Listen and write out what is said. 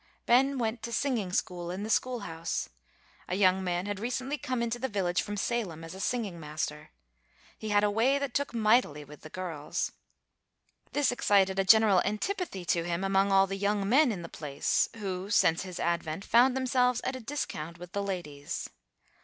Ben went to singing school, in the school house. A young man had recently come into the village from Salem, as a singing master. He had a way that took mightily with the girls. This excited a general antipathy to him among all the young men in the place, who, since his advent, found themselves at a discount with the ladies.